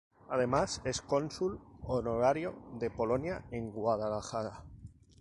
Además es cónsul honorario de Polonia en Guadalajara.